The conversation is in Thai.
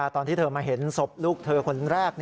ตอนที่เธอมาเห็นศพลูกเธอคนแรก